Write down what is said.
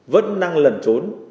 vẫn đang lẩn trốn